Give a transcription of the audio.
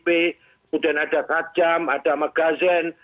kemudian ada kajam ada magazen